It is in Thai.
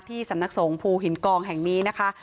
สำนักสงภูหินกองแห่งนี้นะคะ